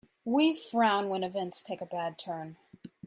We frown when events take a bad turn.